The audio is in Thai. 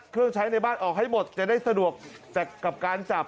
เครื่องใช้ในบ้านออกให้หมดจะได้สะดวกกับการจับ